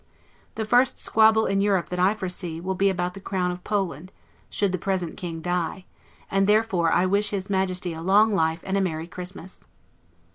The first squabble in Europe, that I foresee, will be about the Crown of Poland, should the present King die: and therefore I wish his Majesty a long life and a merry Christmas.